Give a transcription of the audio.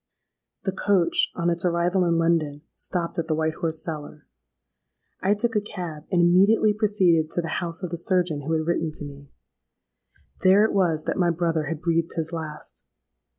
"The coach, on its arrival in London, stopped at the White Horse Cellar. I took a cab, and immediately proceeded to the house of the surgeon who had written to me. There it was that my brother had breathed his last!